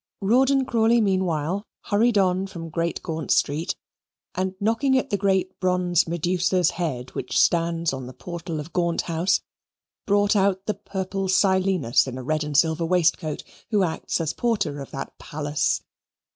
Rawdon Crawley meanwhile hurried on from Great Gaunt Street, and knocking at the great bronze Medusa's head which stands on the portal of Gaunt House, brought out the purple Silenus in a red and silver waistcoat who acts as porter of that palace.